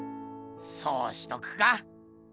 そうしとくか。